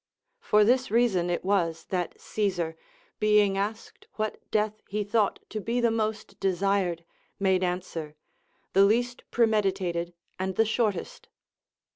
For this reason it was that Caesar, being asked what death he thought to be the most desired, made answer, "The least premeditated and the shortest."